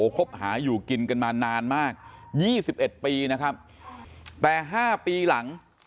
คบหาอยู่กินกันมานานมาก๒๑ปีนะครับแต่๕ปีหลัง